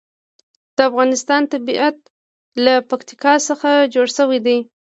د افغانستان طبیعت له پکتیکا څخه جوړ شوی دی.